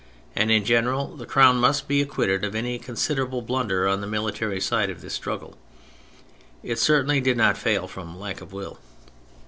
And in general, the Crown must be acquitted of any considerable blunder on the military side of this struggle. It certainly did not fail from lack of will.